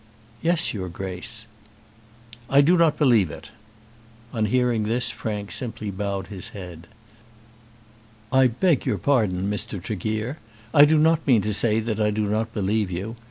"Yes, your Grace." "I do not believe it." On hearing this, Frank simply bowed his head. "I beg your pardon, Mr. Tregear. I do not mean to say that I do not believe you.